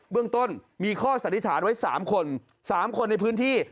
เรื่องต้นมีข้อสันนิษฐานไว้๓คน๓คนในพื้นที่